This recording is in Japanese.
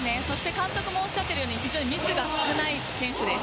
監督もおっしゃっているようにミスが非常に少ない選手です。